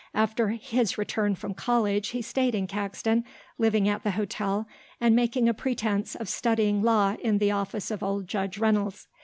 After his return from college he stayed in Caxton, living at the hotel and making a pretence of studying law in the office of old Judge Reynolds.